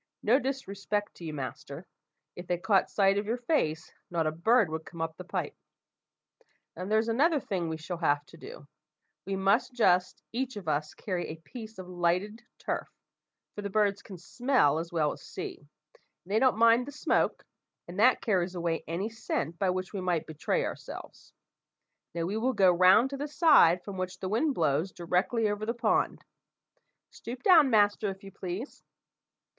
No disrespect to you, master; if they caught sight of your face, not a bird would come up the pipe. "Now there's another thing we shall have to do: we must just each of us carry a piece of lighted turf, for the birds can smell as well as see; and they don't mind the smoke, and that carries away any scent by which we might betray ourselves. Now, we will go round to the side from which the wind blows directly over the pond. Stoop down, master, if you please.